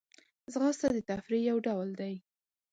ځغاسته د تفریح یو ډول دی